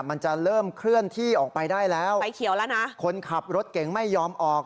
มันจะเริ่มเคลื่อนที่ออกไปได้แล้วไฟเขียวแล้วนะคนขับรถเก่งไม่ยอมออก